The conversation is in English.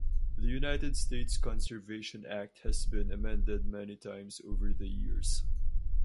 The United States conservation act has been amended many times over the years.